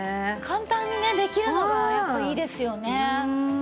簡単にねできるのがやっぱいいですよね。